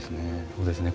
そうですね